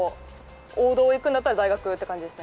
王道をいくんだったら大学という感じですね。